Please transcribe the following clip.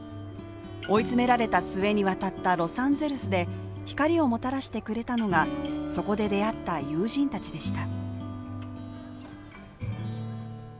追い詰められた末に渡ったロサンゼルスで光をもたらしてくれたのがそこで出会った友人たちでした。